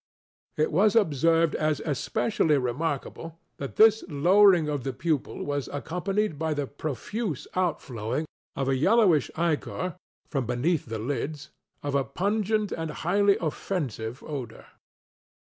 It was observed, as especially remarkable, that this lowering of the pupil was accompanied by the profuse out flowing of a yellowish ichor (from beneath the lids) of a pungent and highly offensive odor.